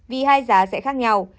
vì hai giá sẽ khác nhau